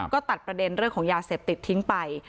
ก็ตัดประเด็นเรื่องของยาเสพติดทิ้งไป